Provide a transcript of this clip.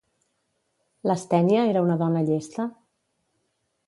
Lastènia era una dona llesta?